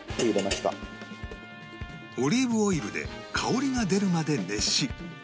オリーブオイルで香りが出るまで熱し